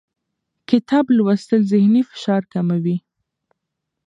کتاب لوستل ذهني فشار کموي